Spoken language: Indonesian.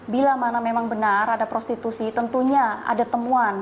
bila mana memang benar ada prostitusi tentunya ada temuan